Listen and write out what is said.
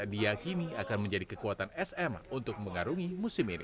diakini akan menjadi kekuatan sm untuk mengarungi musim ini